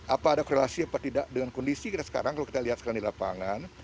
apa ada korelasi apa tidak dengan kondisi kita sekarang kalau kita lihat sekarang di lapangan